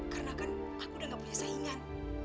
karena kan aku udah gak punya saingan